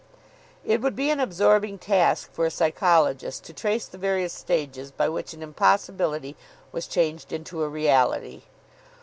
It would be an absorbing task for a psychologist to trace the various stages by which an impossibility was changed into a reality.